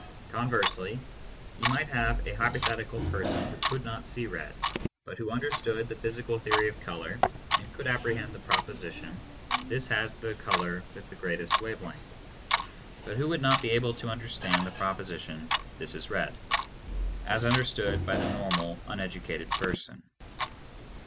Conversely, you might have a hypothet ical person who could not see red, but who understood the physical theory of color and could apprehend the proposi tion "This has the color with the greatest wave length," but who would not be able to understand the proposition "This is red," as understood by the normal uneducated person.